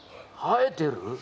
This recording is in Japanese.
生えてる？